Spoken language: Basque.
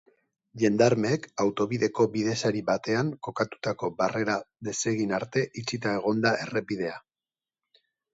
Jendarmeek autobideko bidesari batean kokatutako barrera desegin arte itxita egon da errepidea.